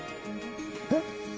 えっ！